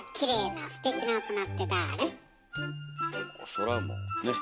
そらもうね？